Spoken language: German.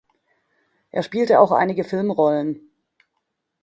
Er spielte auch einige Filmrollen.